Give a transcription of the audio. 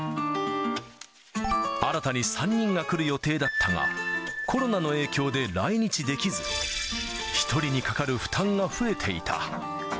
新たに３人が来る予定だったが、コロナの影響で来日できず、１人にかかる負担が増えていた。